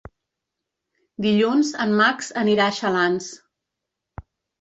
Dilluns en Max anirà a Xalans.